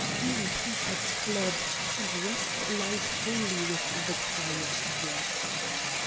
seeing peace has fled, And rest lies wholly with the quiet dead."